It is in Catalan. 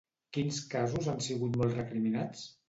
Quins casos han sigut molt recriminats?